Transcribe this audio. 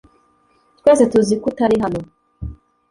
Twese tuzi ko utari hano .